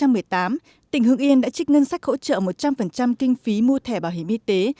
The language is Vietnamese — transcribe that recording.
năm hai nghìn một mươi tám tỉnh hưng yên đã trích ngân sách hỗ trợ một trăm linh kinh phí mua thẻ bảo hiểm y tế